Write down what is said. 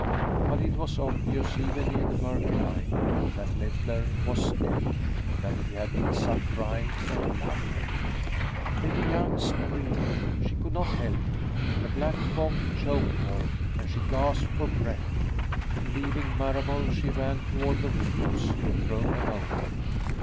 But it was obvious, even in the murky light, that Leffler was dead, that he had been sucked dry of blood. Betty Young screamed. She could not help it. The black fog choked her and she gasped for breath. Leaving Marable, she ran toward the windows to throw them open.